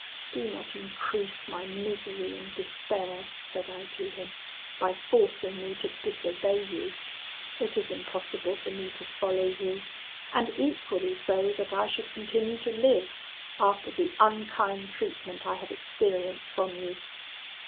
"'Do not increase my misery and despair,' said I to him, 'by forcing me to disobey you. It is impossible for me to follow you; and equally so that I should continue to live, after the unkind treatment I have experienced from you.